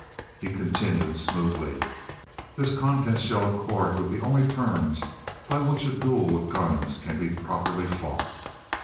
He continued smoothly: "This contest shall accord with the only terms by which a duel with guns can be properly fought.